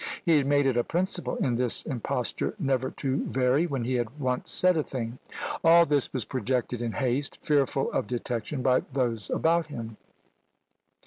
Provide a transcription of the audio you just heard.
He had made it a principle in this imposture never to vary when he had once said a thing. All this was projected in haste, fearful of detection by those about him.